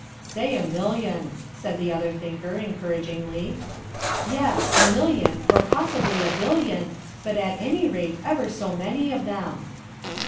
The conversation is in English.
"Say a million," said the other thinker, encouragingly. "Yes, a million, or possibly a billion ... but at any rate, ever so many of them."